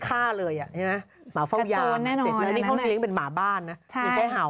อาจจะเผ่าไล่อันนี้เขาไม่ไหว่หนีออกไปได้